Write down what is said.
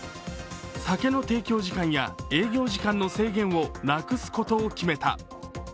酒の提供時間や営業時間の制限をなくすことを決めた。